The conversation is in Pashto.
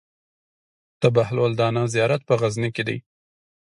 د بهلول دانا زيارت په غزنی کی دی